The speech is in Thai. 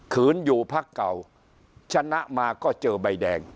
คืนอยู่พักเก่าชนะมาก็เจอใบแดง